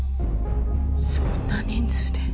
そんな人数で。